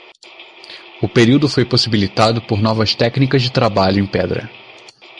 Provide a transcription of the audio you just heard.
O período foi possibilitado por novas técnicas de trabalho em pedra.